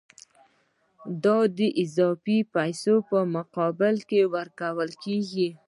دا د اضافي پیسو په مقابل کې ورکول کېږي